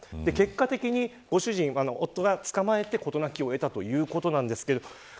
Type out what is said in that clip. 結果的に夫がつかまえて事なきを得たということなんですけど